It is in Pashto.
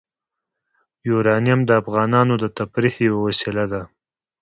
یورانیم د افغانانو د تفریح یوه وسیله ده.